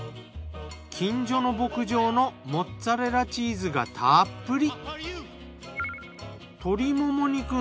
近所の牧場のモッツァレラチーズがたっぷり。